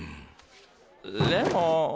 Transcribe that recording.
でも。